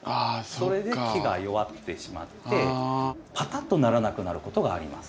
それで木が弱ってしまってパタッとならなくなることがあります。